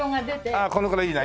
ああこのくらいいいな。